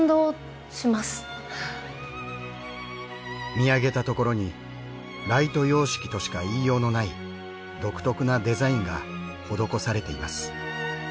見上げたところにライト様式としか言いようのない独特なデザインが施されています。